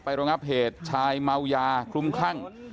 ไปรงรับเหตุชายเมายาครุ่มข้าง